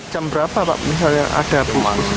jam berapa pak misalnya ada pemang